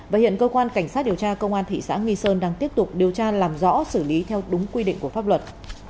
và hiện cơ quan cảnh sát điều tra công an thị xã nghi sơn đang tiếp tục điều tra làm rõ xử lý theo đúng quy định của pháp luật